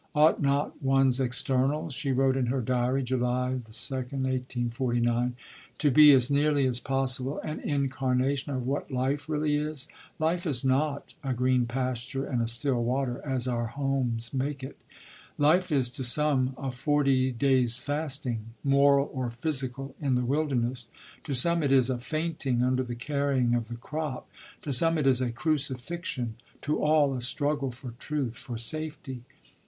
"Ought not one's externals," she wrote in her diary (July 2, 1849), "to be as nearly as possible an incarnation of what life really is? Life is not a green pasture and a still water, as our homes make it. Life is to some a forty days' fasting, moral or physical, in the wilderness; to some it is a fainting under the carrying of the crop; to some it is a crucifixion; to all, a struggle for truth, for safety.